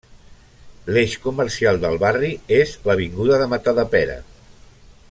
L'eix comercial del barri és l'avinguda de Matadepera.